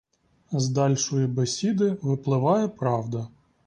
З дальшої бесіди випливає правда.